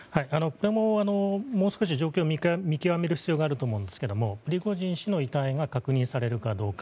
これも、もう少し状況を見極める必要があると思うんですけどプリゴジン氏の遺体が確認されるかどうか。